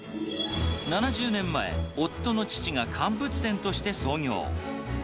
７０年前、夫の父が乾物店として創業。